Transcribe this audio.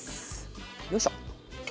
よいしょ。